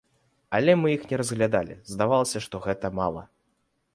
Але мы іх не разглядалі, здавалася, што гэта мала.